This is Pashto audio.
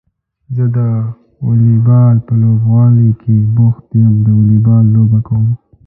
زه د واليبال په لوبغالي کې بوخت يم د واليبال لوبه کوم.